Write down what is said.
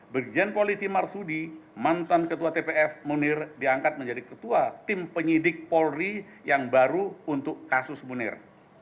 brigjen polisi marsudi mantan ketua tpf munir diangkat menjadi ketua tim penyidik polri yang baru untuk kasus munir